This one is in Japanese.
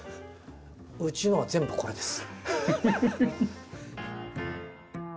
うちのは全部これです。